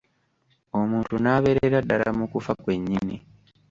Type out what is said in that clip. Omuntu n'abeerera ddala mu kufa kwennyini.